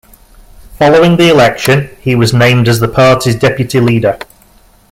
Following the election, he was named as the party's Deputy Leader.